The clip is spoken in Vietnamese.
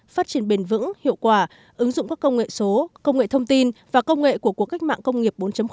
phát triển bền vững hiệu quả ứng dụng các công nghệ số công nghệ thông tin và công nghệ của cuộc cách mạng công nghiệp bốn